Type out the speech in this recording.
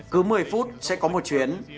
cứ một mươi phút sẽ có một chuyến